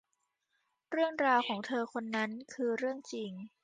เรื่องราวของเธอคนนั้นคือเรื่องจริง